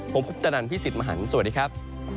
ผมพุทธนันพี่สิทธิ์มหันฯสวัสดีครับ